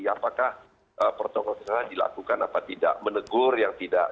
apakah protokol penjelasan dilakukan atau tidak menegur yang tidak